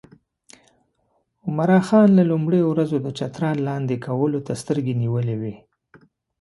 عمرا خان له لومړیو ورځو د چترال لاندې کولو ته سترګې نیولې وې.